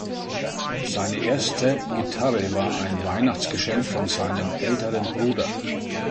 Seine erste Gitarre war ein Weihnachtsgeschenk von seinem älteren Bruder.